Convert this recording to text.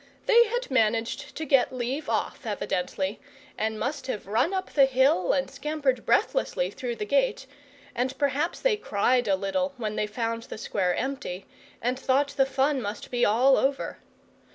They had managed to get leave off, evidently, and must have run up the hill and scampered breathlessly through the gate; and perhaps they cried a little when they found the square empty, and thought the fun must be all over.